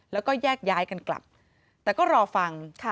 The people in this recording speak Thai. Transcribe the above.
แล้วก็แยกย้ายกันกลับแต่ก็รอฟัง